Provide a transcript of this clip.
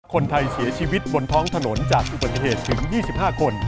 คนไทยเสียชีวิตบนท้องถนนจากอุบัติเหตุถึง๒๕คน